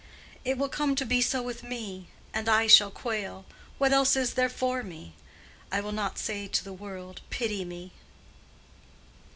"It will come to be so with me; and I shall quail. What else is there for me? I will not say to the world, 'Pity me.